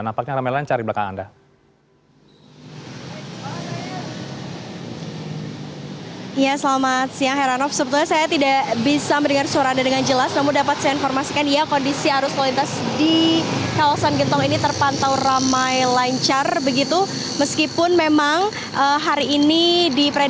nampaknya ramai lancar di belakang anda